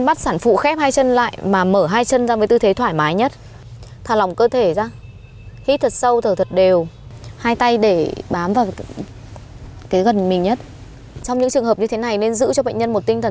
bác chạy xe nhanh giúp cháu với ạ